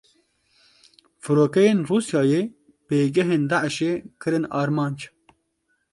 Firokeyên Rûsyayê pêgehên Daişê kirin armanc.